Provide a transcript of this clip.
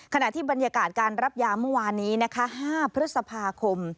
ขณะที่บรรยากาศการรับยามปี๕พฤษภาคม